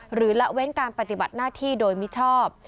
ละเว้นการปฏิบัติหน้าที่โดยมิชอบ